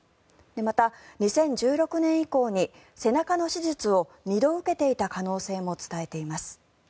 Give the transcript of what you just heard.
また、２０１６年以降に背中の手術を２度受けていた可能性も伝えています。